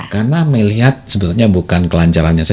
karena melihat sebenarnya bukan kelancarannya saja